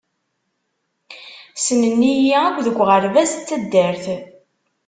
Ssnen-iyi akk deg uɣerbaz d taddart.